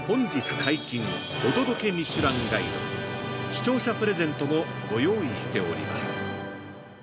視聴者プレゼントもご用意しております。